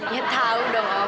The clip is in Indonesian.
ya tau dong om